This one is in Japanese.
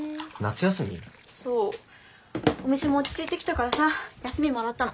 そうお店も落ち着いてきたからさ休みもらったの。